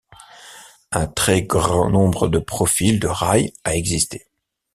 Un très grand nombre de profils de rails a existé.